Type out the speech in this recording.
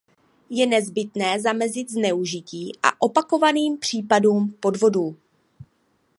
Je nezbytné zamezit zneužití a opakovaným případům podvodů.